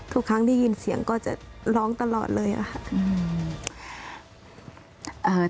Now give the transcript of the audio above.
ทุกครั้งได้ยินเสียงก็จะร้องตลอดเลยอะค่ะ